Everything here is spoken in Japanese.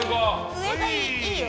上がいいよ。